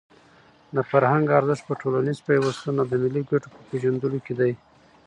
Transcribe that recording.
د فرهنګ ارزښت په ټولنیز پیوستون او د ملي ګټو په پېژندلو کې دی.